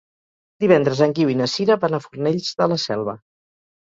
Divendres en Guiu i na Sira van a Fornells de la Selva.